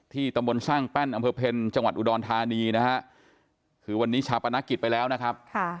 ตำบลสร้างแป้นอำเภอเพ็ญจังหวัดอุดรธานีนะฮะคือวันนี้ชาปนกิจไปแล้วนะครับ